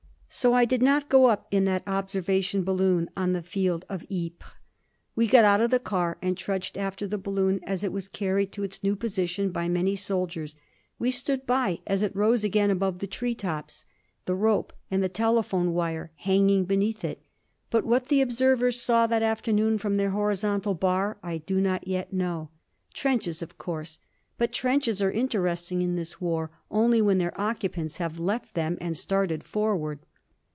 So I did not go up in that observation balloon on the field of Ypres. We got out of the car, and trudged after the balloon as it was carried to its new position by many soldiers. We stood by as it rose again above the tree tops, the rope and the telephone wire hanging beneath it. But what the observers saw that afternoon from their horizontal bar I do not yet know trenches, of course. But trenches are interesting in this war only when their occupants have left them and started forward.